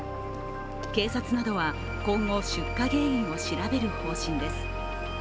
警察などは今後、出火原因を調べる方針です。